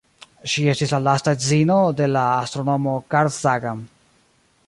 Ŝi estis la lasta edzino de la astronomo Carl Sagan.